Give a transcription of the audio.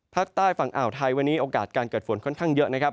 ภาคใต้ฝั่งอ่าวไทยวันนี้โอกาสการเกิดฝนค่อนข้างเยอะนะครับ